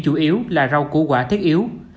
chủ yếu là rau củ quả thiết yếu